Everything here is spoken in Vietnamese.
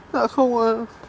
dạ không ạ